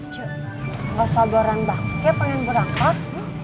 cu gak sabaran banget pengen berangkat